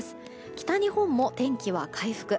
北日本も天気は回復。